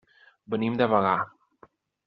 Venim de Bagà.